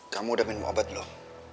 kamu udah minum obat loh